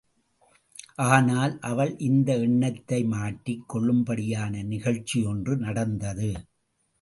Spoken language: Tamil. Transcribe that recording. ஆனால் அவள் இந்த எண்ணத்தை மாற்றிக் கொள்ளும்படியான நிகழ்ச்சியொன்று நடந்தது.